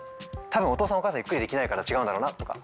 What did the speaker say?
多分お父さんお母さんゆっくりできないから違うんだろうなとか。